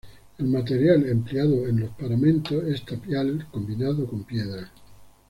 El material empleado en los paramentos es tapial, combinado con piedra.